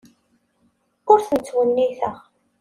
Ur ten-ttwenniteɣ.